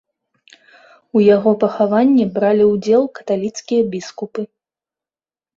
У яго пахаванні бралі ўдзел каталіцкія біскупы.